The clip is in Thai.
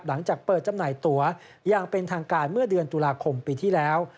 หลังจากเปิดจำหน่ายตัวอย่างเป็นทางการเมื่อเดือนตุลาคมปีที่แล้ว